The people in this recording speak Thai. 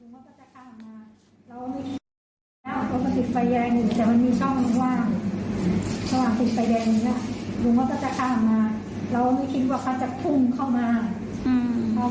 ไม่ต้องระวังอะไรรู้ตัวไอ้ทิ้งรอคือทุกอย่าง